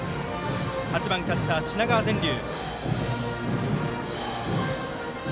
８番キャッチャー、品川善琉。